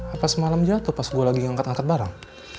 apa semalam jatuh pas gue lagi ngangkat ngangkat barang